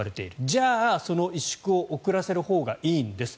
じゃあ、その萎縮を遅らせるほうがいいんです。